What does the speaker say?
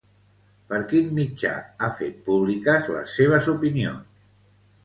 Per quin mitjà ha fet públiques les seves opinions?